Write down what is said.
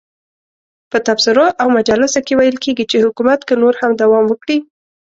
په تبصرو او مجالسو کې ویل کېږي چې حکومت که نور هم دوام وکړي.